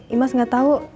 imas gak tau